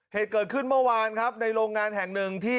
เหตุเกิดขึ้นเมื่อวานครับในโรงงานแห่งหนึ่งที่